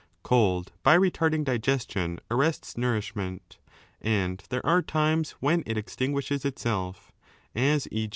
Cold, by 2 retarding digestion,' arrests nourishment. And there are times when it extinguishes itself, as, e.